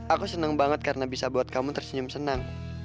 aku senang banget karena bisa buat kamu tersenyum senang